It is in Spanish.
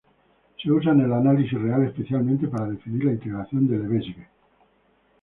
Se usa en el análisis real, especialmente para definir la integración de Lebesgue.